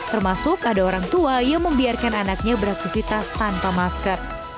termasuk ada orang tua yang membiarkan anaknya beraktivitas tanpa masker